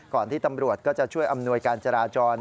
ที่ตำรวจก็จะช่วยอำนวยการจราจร